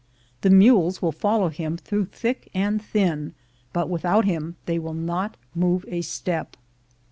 The mules will follow him through thick and thin, but without him they will not move a step.